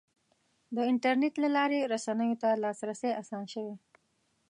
د انټرنیټ له لارې رسنیو ته لاسرسی اسان شوی.